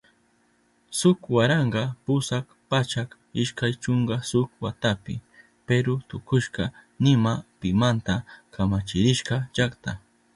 Shuk waranka pusak pachak ishkay chunka shuk watapi Peru tukushka nima pimanta kamachirishka llakta.